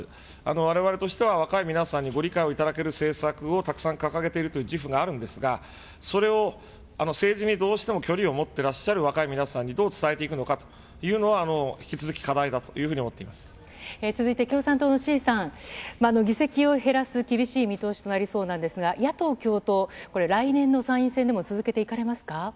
われわれとしては若い皆さんにご理解を頂ける政策をたくさん掲げているという自負があるんですが、それを政治にどうしても距離を持っていらっしゃる若い皆さんにどう伝えていくのかというのは、引き続き、課題だというふうに思続いて共産党の志位さん、議席を減らす厳しい見通しとなりそうなんですが、野党共闘、これ、来年の参院選でも続けていかれますか。